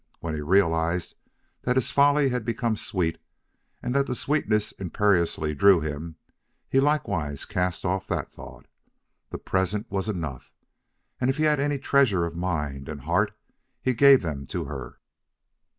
When he realized that his folly had become sweet and that the sweetness imperiously drew him, he likewise cast off that thought. The present was enough. And if he had any treasures of mind and heart he gave them to her.